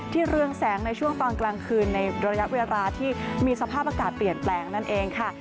เรืองแสงในช่วงตอนกลางคืนในระยะเวลาที่มีสภาพอากาศเปลี่ยนแปลงนั่นเองค่ะ